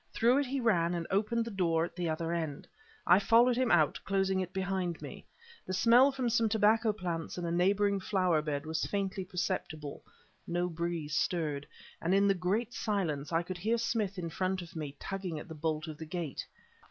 Through it he ran and opened the door at the other end. I followed him out, closing it behind me. The smell from some tobacco plants in a neighboring flower bed was faintly perceptible; no breeze stirred; and in the great silence I could hear Smith, in front of me, tugging at the bolt of the gate.